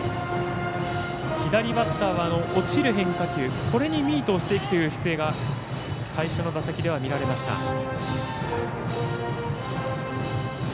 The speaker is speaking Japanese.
左バッターは落ちる変化球これにミートしていくという姿勢が最初の打席では見られました。